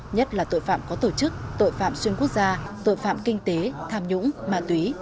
nhất là tội phạm có tổ chức tội phạm xuyên quốc gia tội phạm kinh tế tham nhũng ma túy